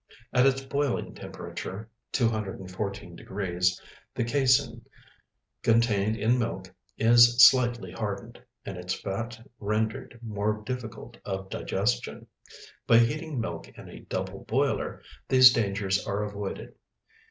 At its boiling temperature (214 degrees), the casein contained in milk is slightly hardened, and its fat rendered more difficult of digestion. By heating milk in a double boiler, these dangers are avoided.